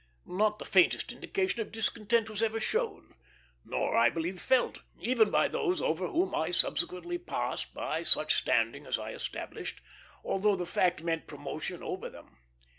Not the faintest indication of discontent was ever shown, nor I believe felt, even by those over whom I subsequently passed by such standing as I established, although the fact meant promotion over them.